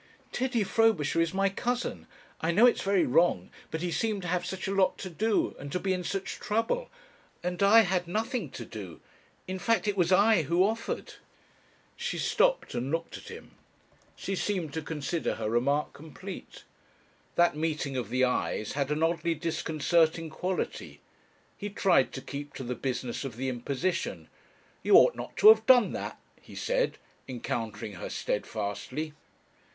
"Teddy Frobisher is my cousin. I know it's very wrong, but he seemed to have such a lot to do and to be in such trouble. And I had nothing to do. In fact, it was I who offered...." She stopped and looked at him. She seemed to consider her remark complete. That meeting of the eyes had an oddly disconcerting quality. He tried to keep to the business of the imposition. "You ought not to have done that," he said, encountering her steadfastly.